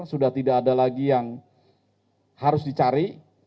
sudah tidak ada lagi yang harus dicari